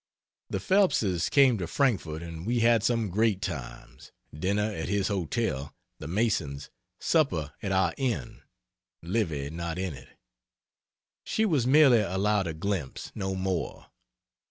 The Phelpses came to Frankfort and we had some great times dinner at his hotel, the Masons, supper at our inn Livy not in it. She was merely allowed a glimpse, no more.